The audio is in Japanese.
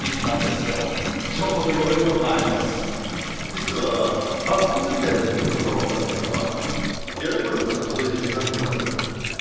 実は白骨遺体の身元がわかったのはヤロポロクから届いた手紙のおかげなんだ。